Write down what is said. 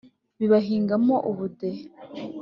Bibahingamo ubudehe